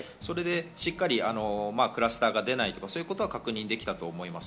しっかりクラスターが出ないということが確認できたと思います。